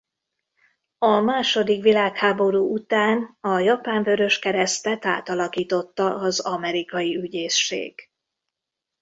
A második világháború után a Japán Vöröskeresztet átalakította az amerikai ügyészség.